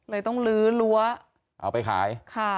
เลยต้องลื้อรั้วเอาไปขาย